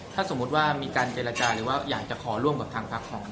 ถ้าสมมุติว่ามีการเจรจาหรือว่าอยากจะขอร่วมกับทางพักของ